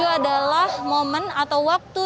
empat puluh tujuh adalah momen atau waktu